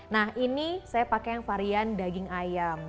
nah ini saya pakai yang varian daging ayam